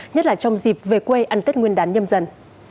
nhất là trong dịp về quê ăn tết nguyên đán nhâm dần